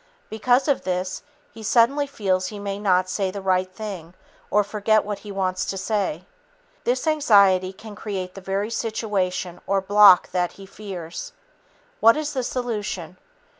Because of this, he suddenly feels he may not say the right thing or forget what he wants to say. This anxiety can create the very situation or block that he fears. What is the solution?